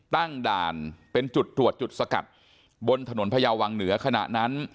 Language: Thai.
ตั้งด่านเป็นจุดตรวจจุดสกัดบนถนนพญาวังเหนือขณะนั้น